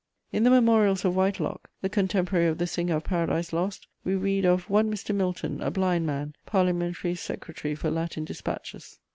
In the Memorials of Whitelock, the contemporary of the singer of Paradise Lost, we read of "one Mr. Milton, a blind man, parliamentary secretary for Latin despatches."